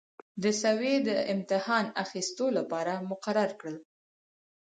د سویې د امتحان اخیستلو لپاره مقرر کړل.